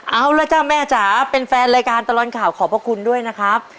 เอาละจ้ะแม่จ๋าเป็นแฟนรายการตลอดข่าวขอบพระคุณด้วยนะครับ